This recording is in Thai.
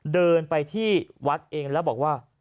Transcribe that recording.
เดินไปที่วัดเองแล้วบอกว่า